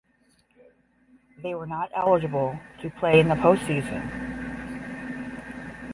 They were not eligible to play in the post season.